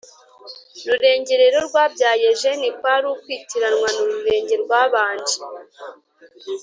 rurenge rero rwabyaye jeni, kwari ukwitiranwa na rurenge rwabanje.